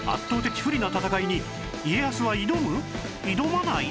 挑まない？